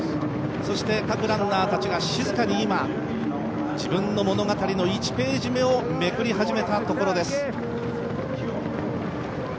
そして各ランナーたちが静かに今、自分の物語の１ページ目をめくり始めたところです。